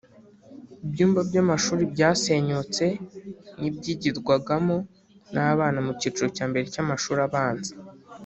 Ibyumba by’amashuri byasenyutse n’ibyigirwagamo n’abana mu cyiciro cya mbere cy’amashuri abanza